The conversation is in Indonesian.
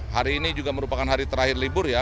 hari ini juga merupakan hari terakhir libur ya